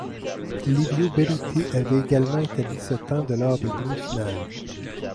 Livio Berruti avait également établi ce temps de lors des demi-finales.